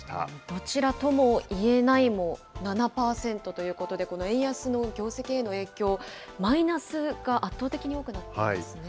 どちらともいえないも７％ということで、この円安の業績への影響、マイナスが圧倒的に多くなっていますね。